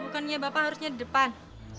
bukannya bapak harusnya di depan